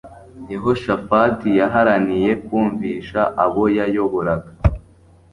Yehoshafati yaharaniye kumvisha abo yayoboraga